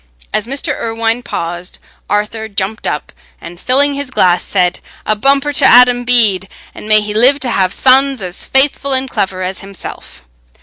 As Mr. Irwine paused, Arthur jumped up and, filling his glass, said, "A bumper to Adam Bede, and may he live to have sons as faithful and clever as himself!"